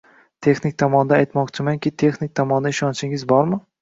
texnik tomondan, aytmoqchimanki, texnik tomondan ishonchingiz bormi?